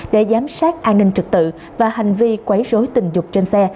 để giám sát an ninh trực tự và hành vi quấy rối tình dục trên xe